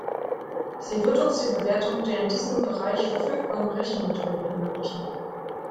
Sie wird uns die Bewertung der in diesem Bereich verfügbaren Rechenmethoden ermöglichen.